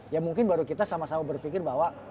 ya mungkin baru kita sama sama berpikir bahwa